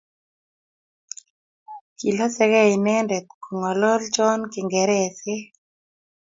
Kilosei gei inende koong'olonchon kiingeresek